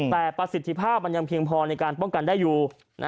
แต่ประสิทธิภาพมันยังเพียงพอในการป้องกันได้อยู่